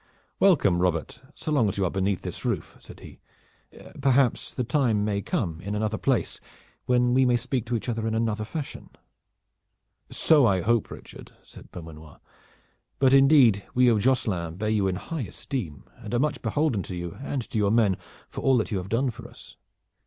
"Welcome, Robert, so long as you are beneath this roof," said he. "Perhaps the time may come in another place when we may speak to each other in another fashion." "So I hope, Richard," said Beaumanoir; "but indeed we of Josselin bear you in high esteem and are much beholden to you and to your men for all that you have done for us.